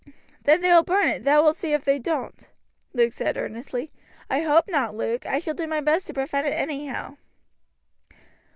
"Then they will burn it, thou wilt see if they doan't," Luke said earnestly. "I hope not, Luke. I shall do my best to prevent it anyhow."